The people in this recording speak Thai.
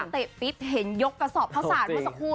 เตะปิ๊บเห็นยกกระสอบข้าวสารเมื่อสักครู่